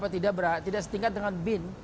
tidak setingkat dengan bin